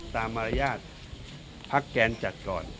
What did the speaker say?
ตามมารยาทพเลแกรนจัดก่อน